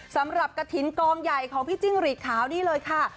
กระถิ่นกองใหญ่ของพี่จิ้งหรีดขาวนี่เลยค่ะ